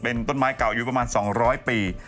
เป็นต้นไม้เก่าอายุประมาณ๒๐๐ปี